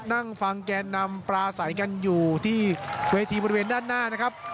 นั่งฟังแกนนำปลาใสกันอยู่ที่เวทีบริเวณด้านหน้านะครับ